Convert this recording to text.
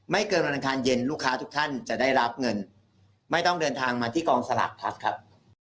เกินวันอังคารเย็นลูกค้าทุกท่านจะได้รับเงินไม่ต้องเดินทางมาที่กองสลากพลัสครับ